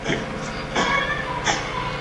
وړاندې سوې عرضه پخوا هم جذب سوې وه.